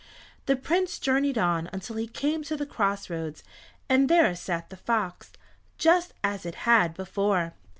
The Prince journeyed on until he came to the cross roads, and there sat the fox, just as it had before.